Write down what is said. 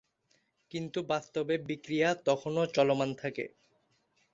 কিন্তু বাস্তবে বিক্রিয়া তখনো চলমান থাকে।